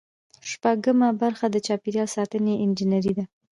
شپږمه برخه د چاپیریال ساتنې انجنیری ده.